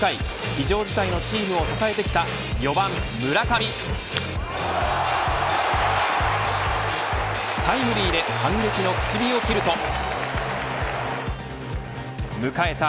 非常事態のチームを支えてきた４番、村上タイムリーで反撃の口火を切ると迎えた